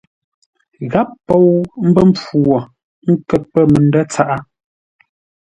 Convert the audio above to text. Gháp pou mbə́ mpfu wo, ə́ nkə̂r pə̂ məndə̂ tsaʼá.